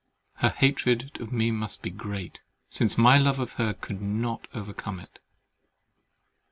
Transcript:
Her hatred of me must be great, since my love of her could not overcome it!